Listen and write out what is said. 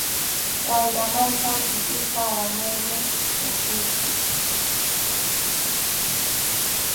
Wayramanta pisispa wañuymi mukiyqa.